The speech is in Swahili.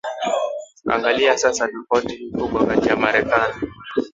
Angalia sasa tofauti hii kubwa kati ya Marekani